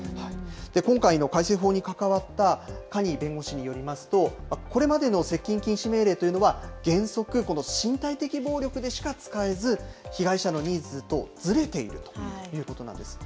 今回の改正法に関わった可児弁護士によりますと、これまでの接近禁止命令というのは、原則、この身体的暴力でしか使えず、被害者のニーズとずれているということなんです。